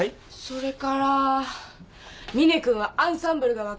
それから「峰君はアンサンブルが分かってねえ」です！